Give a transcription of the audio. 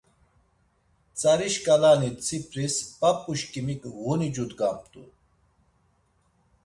Tzari şkalani tsipris p̌ap̌uşkimik ğuni cudgamt̆u.